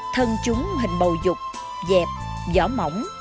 thân chúng hình bầu dục dẹp giỏ mỏng